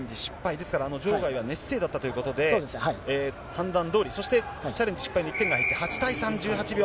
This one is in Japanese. ですから場外は寝姿勢だったということで、判断どおり、そしてチャレンジ失敗で１点が入って８対３、１８秒。